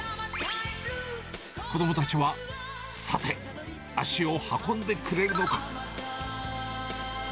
子どもたちは、さて、足を運んでくれるのか。